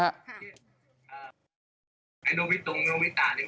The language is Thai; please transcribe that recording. ให้ดูวิตุงดูวิตานี่มันก็รูปศิษย์ผมตัวนั้นแหละครับ